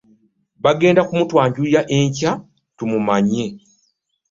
Bagenda kumutwanjulira enkya tumumanye.